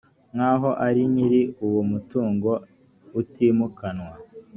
nkaho ari nyiri uwo mutungo utimukanwa